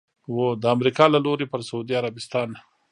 د امریکا له لوري پر سعودي عربستان